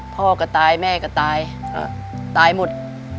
พ่อก็ตายแม่ก็ตายตายหมด